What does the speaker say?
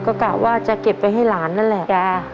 ก็กะว่าจะเก็บไปให้หลานนั่นแหละ